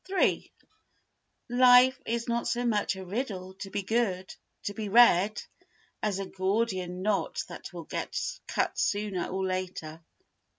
iii Life is not so much a riddle to be read as a Gordian knot that will get cut sooner or later.